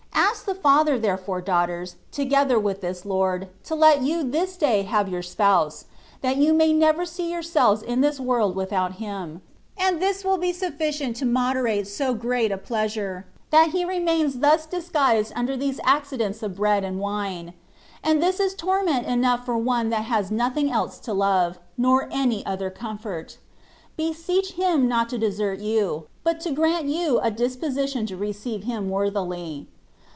Ask the Father, therefore, daughters, together with this Lord, to let you this day have your spouse, that you may never see yourselves in this world without Him ; and this will be sufficient to moderate so great a pleasure, that He remains thus disguised under these accidents of bread and wine j and this is torment enough for one that has nothing else to love, nor any other comfort ; be seech Him not to desert you, but to grant you a disposition to receive him worthily.